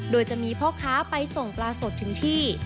โดยจะมีพ่อค้าไปส่งปลาสดถึงที่